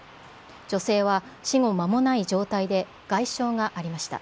女性は死後まもない状態で外傷がありました。